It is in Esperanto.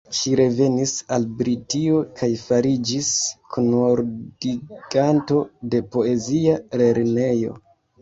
Ŝi revenis al Britio kaj fariĝis kunordiganto de Poezia Lernejo.